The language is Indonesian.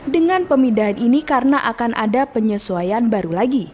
dengan pemindahan ini karena akan ada penyesuaian baru lagi